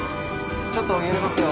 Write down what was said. ちょっと揺れますよ。